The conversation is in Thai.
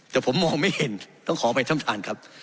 แต่ผมมองไม่เห็นต้องขอไปทำทานครับ